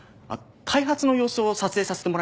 開発の様子を撮影させてもらえません？